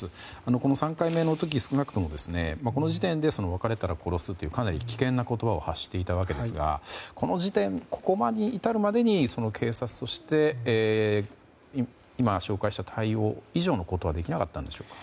この３回目の時、少なくともこの時点で別れたら殺すとかなり危険な言葉を発していたわけですがここまでに至るまでに警察として、今、紹介した対応以上のことはできなかったんでしょうか。